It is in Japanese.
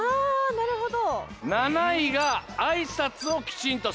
なるほど。